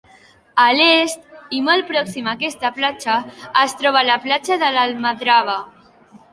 A l'est, i molt pròxima a aquesta platja, es troba la platja de l'Almadrava.